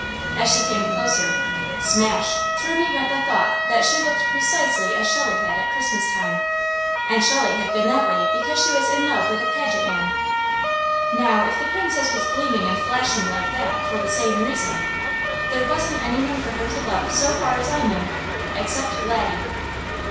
As she came closer, smash! through me went the thought that she looked precisely as Shelley had at Christmas time; and Shelley had been that way because she was in love with the Paget man. Now if the Princess was gleaming and flashing like that, for the same reason, there wasn't any one for her to love so far as I knew, except Laddie.